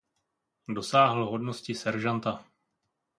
Dosáhl hodnosti seržanta.